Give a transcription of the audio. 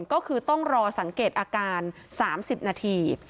ก็คือต้องรอสังเกตอาการ๓๐นาที